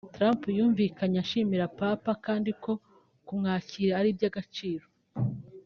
Trump yumvikanye ashimira Papa kandi ko kumwakira ari iby’agaciro